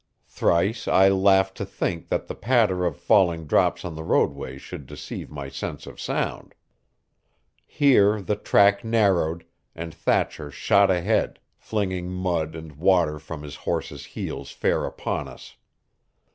Thrice I laughed to think that the patter of falling drops on the roadway should deceive my sense of sound. Here the track narrowed, and Thatcher shot ahead, flinging mud and water from his horse's heels fair upon us.